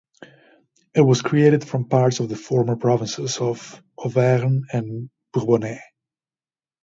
It was created from parts of the former provinces of Auvergne and Bourbonnais.